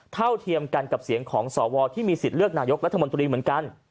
เทียมกันกับเสียงของสวที่มีสิทธิ์เลือกนายกรัฐมนตรีเหมือนกัน